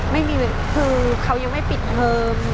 ไม่มีคือเขายังไม่ปิดเทอม